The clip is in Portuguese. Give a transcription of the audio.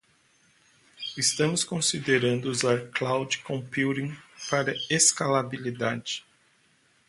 Estamos considerando usar cloud computing para escalabilidade.